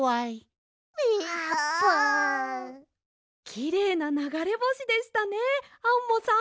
きれいなながれぼしでしたねアンモさん。